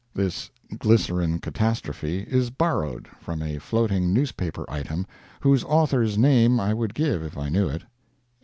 [This glycerin catastrophe is borrowed from a floating newspaper item, whose author's name I would give if I knew it.